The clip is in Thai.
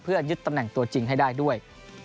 เพื่อยึดตำแหน่งตัวจริงให้ได้ด้วย